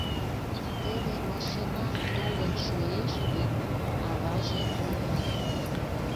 Теве машина толын шуэш гын... — аваже ойла.